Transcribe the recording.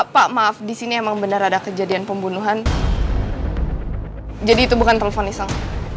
pak maaf di sini emang benar ada kejadian pembunuhan jadi itu bukan telepon iseng